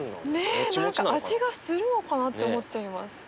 ねえ何か味がするのかなって思っちゃいます。